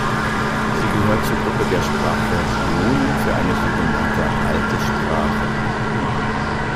Sie gehört zur Gruppe der Sprachversionen für eine so genannte alte Sprache.